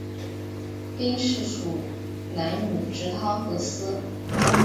兵事属南女直汤河司。